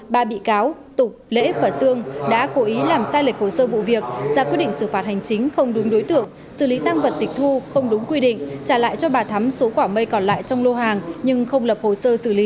ba bị cáo tục lễ và sương đã cố ý làm sai lệch hồ sơ vụ việc ra quyết định xử phạt hành chính không đúng đối tượng xử lý tăng vật tịch thu không đúng quy định trả lại cho bà thắm số quả mây còn lại trong lô hàng nhưng không lập hồ sơ xử lý